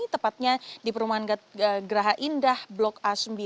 tepatnya di perumahan geraha indah blok a sembilan